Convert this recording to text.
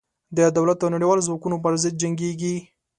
د دولت او نړېوالو ځواکونو پر ضد جنګېږي.